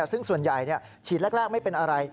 ซึ่งส่วนใหญ่ฉีดแรกไม่เป็นอะไร